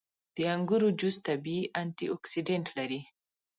• د انګورو جوس طبیعي انټياکسیدنټ لري.